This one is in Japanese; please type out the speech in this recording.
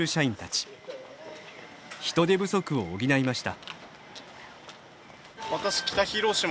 人手不足を補いました。